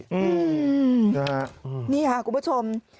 อืมนี่ค่ะคุณผู้ชม